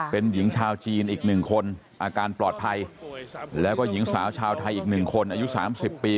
เป็นหญิงชาวจีนอีกหนึ่งคนอาการปลอดภัยแล้วก็หญิงสาวชาวไทยอีกหนึ่งคนอายุ๓๐ปี